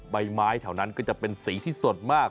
ใบไม้แถวนั้นก็จะเป็นสีที่สดมาก